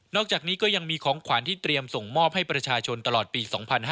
อกจากนี้ก็ยังมีของขวัญที่เตรียมส่งมอบให้ประชาชนตลอดปี๒๕๕๙